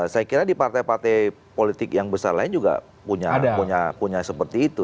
saya kira di partai partai politik yang besar lain juga punya seperti itu